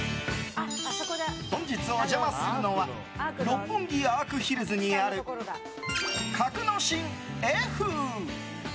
本日お邪魔するのは六本木アークヒルズにある格之進Ｆ。